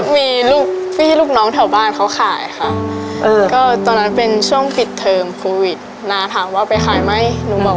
มีลูกพี่ลูกน้องแถวบ้านเขาขายค่ะเออแต่ก็ตอนนั้นของพิธีการทำวิจีโปม่า